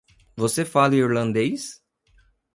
Você fala irlandês?